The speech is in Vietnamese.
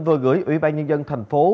vừa gửi ủy ban nhân dân thành phố